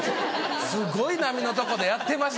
すごい波のとこでやってます